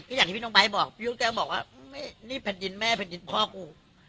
อย่างที่พี่น้องไบท์บอกพี่ยุทธ์ก็บอกว่านี่แผ่นดินแม่แผ่นดินพ่อกู